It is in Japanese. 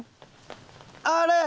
あれ？